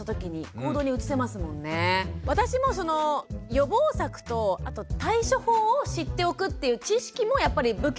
私もその予防策とあと対処法を知っておくっていう知識もやっぱり武器になると思っていて。